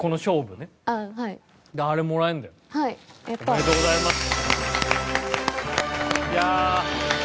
おめでとうございます。